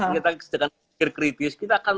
kita sedang berpikir kritis kita akan